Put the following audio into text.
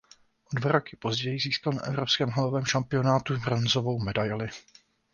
O dva roky později získal na evropském halovém šampionátu bronzovou medaili.